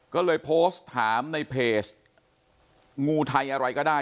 ก็เลยโพสต์ถามในเพจงูไทยอะไรก็ได้